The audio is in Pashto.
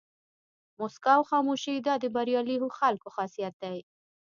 موسکا او خاموشي دا د بریالي خلکو خاصیت دی.